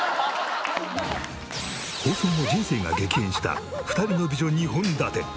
放送後人生が激変した２人の美女２本立て。